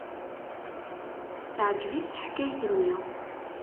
Teɛjeb-it teḥkayt-nni.